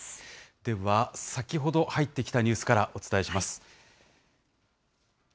では、先ほど入ってきたニュースからお伝えします。